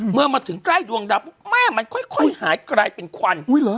เมื่อมาถึงใกล้ดวงดาวปุ๊บแม่มันค่อยหายกลายเป็นควัน